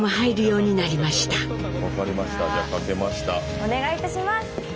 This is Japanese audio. ・お願いいたします。